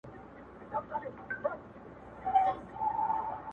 په دې اړه نازیه اقبال او خاوند جاوید فضاء